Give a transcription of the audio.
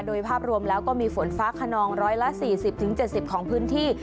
โดยภาพรวมแล้วก็มีฝนฟ้าขนอง๑๔๐๗๐ของพื้นที่